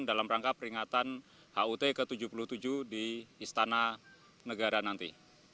dalam rangka peringatan hut ke tujuh puluh tujuh di istana negara nanti